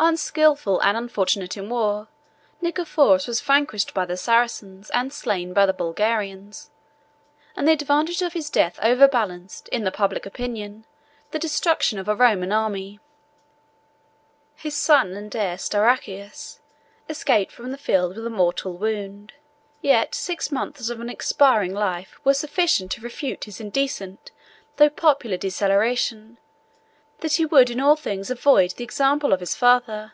Unskilful and unfortunate in war, Nicephorus was vanquished by the Saracens, and slain by the Bulgarians; and the advantage of his death overbalanced, in the public opinion, the destruction of a Roman army. 1011 His son and heir Stauracius escaped from the field with a mortal wound; yet six months of an expiring life were sufficient to refute his indecent, though popular declaration, that he would in all things avoid the example of his father.